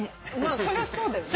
そりゃそうだよね。